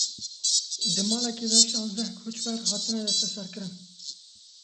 Di malekê de şazdeh koçber hatin desteserkirin.